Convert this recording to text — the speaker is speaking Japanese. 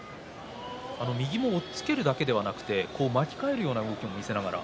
右を押っつけるだけではなく、巻き替えるような動きを見せながら。